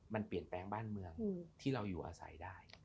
มันเปลี่ยนแปลงบ้านเมืองที่เราอยู่อาศัยได้